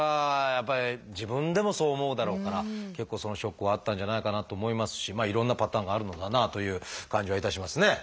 やっぱり自分でもそう思うだろうから結構そのショックはあったんじゃないかなと思いますしいろんなパターンがあるのだなという感じはいたしますね。